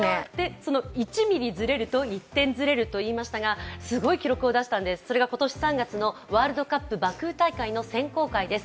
１ｍｍずれると１点ずれるといいましたが、すごい記録を出したんです、それが今年３月のワールドカップバクー大会です。